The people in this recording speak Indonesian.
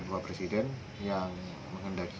bapak presiden yang mengendaki